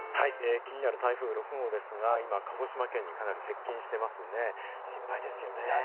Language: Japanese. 気になる台風６号ですが、今、鹿児島県にかなり接近していますんで、心配ですよね。